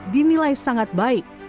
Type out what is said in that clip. dinilai sangat baik